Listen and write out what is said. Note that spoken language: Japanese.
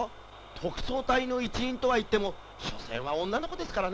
特捜隊の一員とはいっても所詮は女の子ですからね。